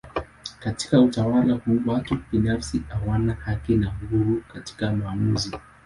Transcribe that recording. Katika utawala huu watu binafsi hawana haki na uhuru katika maamuzi.